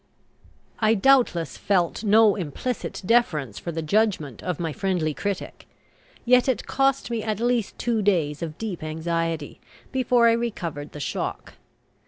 I doubtless felt no implicit deference for the judgment of my friendly critic. Yet it cost me at least two days of deep anxiety before I recovered the shock.